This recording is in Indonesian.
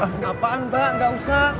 gak apaan mba gak usah